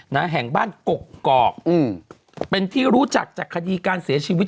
นะแห่งบ้านกกอกอืมเป็นที่รู้จักจากคดีการเสียชีวิต